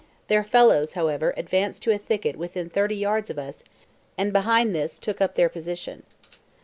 The fellows, however, advanced to a thicket within thirty yards of us, and behind this "took up their position."